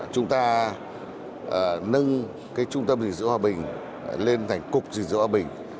chúng ta nâng trung tâm gìn giữ hòa bình lên thành cục diện giữ hòa bình